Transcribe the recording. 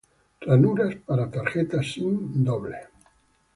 Ranuras para tarjetas sim doble.